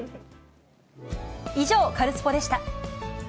以上、カルスポっ！でした。